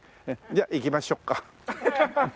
じゃあ行きましょっか。